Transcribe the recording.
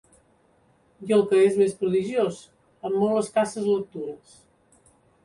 I el que és més prodigiós, amb molt escasses lectures